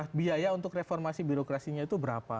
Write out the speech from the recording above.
nah biaya untuk reformasi birokrasinya itu berapa